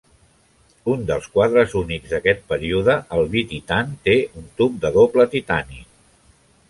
Un dels quadres únics d'aquest període, el Bititan, té un tub de doble titani.